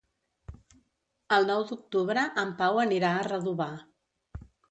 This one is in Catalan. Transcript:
El nou d'octubre en Pau anirà a Redovà.